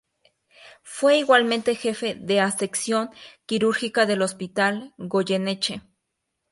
Fue igualmente jefe de a sección quirúrgica del Hospital Goyeneche.